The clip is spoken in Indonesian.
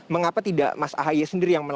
mengapa tidak mas ahaye sendiri